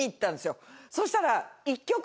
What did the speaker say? そしたら。